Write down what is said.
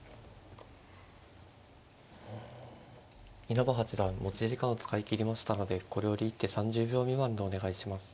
稲葉八段持ち時間を使いきりましたのでこれより一手３０秒未満でお願いします。